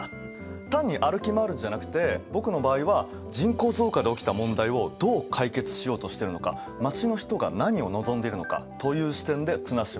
単に歩き回るんじゃなくて僕の場合は人口増加で起きた問題をどう解決しようとしてるのか街の人が何を望んでいるのか？という視点で綱島を歩きました。